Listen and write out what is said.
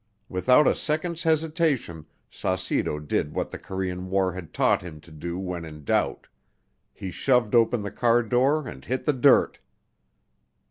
Without a second's hesitation Saucedo did what the Korean War had taught him to do when in doubt, he shoved open the car door and hit the dirt.